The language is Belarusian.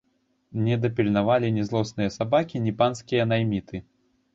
Не дапільнавалі ні злосныя сабакі, ні панскія найміты.